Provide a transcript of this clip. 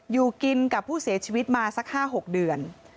อยู่กินกับผู้เสียชีวิตมาสัก๕๖เดือน